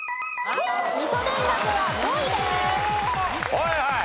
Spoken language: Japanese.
はいはい。